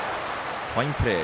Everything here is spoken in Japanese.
ファインプレー。